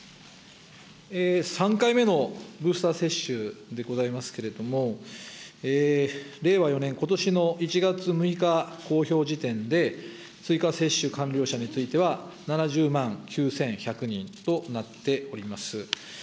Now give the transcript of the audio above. ３回目のブースター接種でございますけれども、令和４年・ことしの１月６日公表時点で、追加接種完了者については、７０万９１００人となっております。